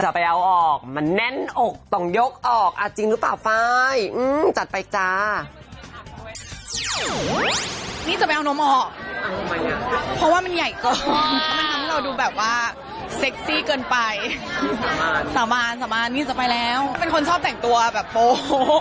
เป็นคนชอบแต่งตัวแบบโป๊ะ